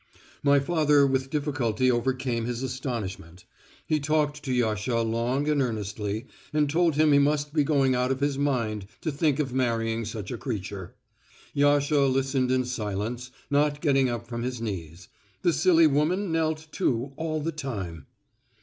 My father with difficulty overcame his astonishment. He talked to Yasha long and earnestly, and told him he must be going out of his mind to think of marrying such a creature. Yasha listened in silence, not getting up from his knees; the silly woman knelt too all the time.